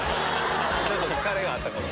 ちょっと疲れがあったかも。